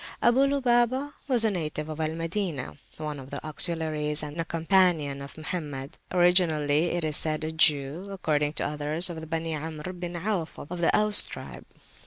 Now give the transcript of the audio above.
Abu Lubabah was a native of Al Madinah, one of the Auxiliaries and a companion of Mohammed, originally it is said a Jew, according to others of the Beni Amr bin Auf of the Aus tribe.